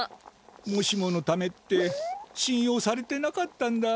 もしものためってしんようされてなかったんだ。